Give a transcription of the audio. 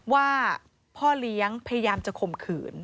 ว่าพ่อเลี้ยงพยายามจะข่มขืน